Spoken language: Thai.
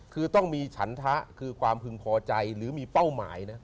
คือต้องมีฉันทะคือความพึงพอใจหรือมีเป้าหมายนะ